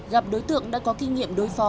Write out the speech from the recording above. gặp đối tượng đã có kinh nghiệm đối phó